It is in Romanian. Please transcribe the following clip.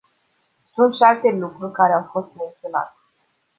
Sunt și alte lucruri care au fost menționate.